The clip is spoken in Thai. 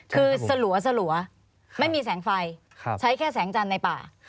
คือสลัวไม่มีแสงไฟใช้แค่แสงจันทร์ในป่า